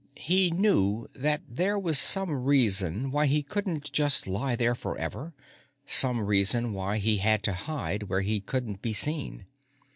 He knew that there was some reason why he couldn't just lie there forever, some reason why he had to hide where he couldn't be seen.